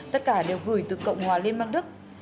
tất cả đều gửi từ cộng hòa liên bang đức